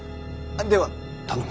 では頼む。